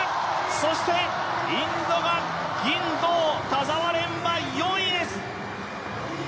そしてインドが銀・銅、田澤廉は４位です。